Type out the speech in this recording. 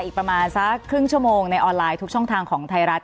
อีกประมาณสักครึ่งชั่วโมงในออนไลน์ทุกช่องทางของไทยรัฐ